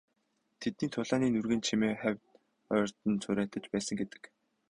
Тэдний тулааны нүргээн чимээ хавь ойрд нь цуурайтаж байсан гэдэг.